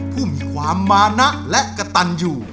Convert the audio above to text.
ผู้มีความมานะและกระตันอยู่